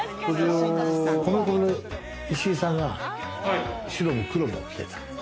米米・石井さんが白も黒も着てた。